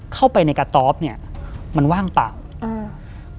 เข้าไปในกระต๊อบเนี้ยมันว่างเปล่าอืม